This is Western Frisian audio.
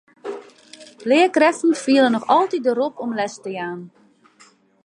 Learkrêften fiele noch altyd de rop om les te jaan.